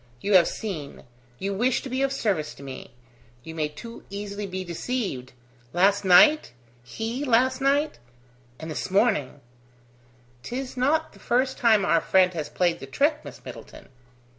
You have seen you wish to be of service to me; you may too easily be deceived. Last night? he last night ...? And this morning!" "'Tis not the first time our friend has played the trick, Miss Middleton."